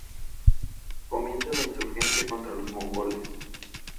Comienza la insurgencia contra los mongoles.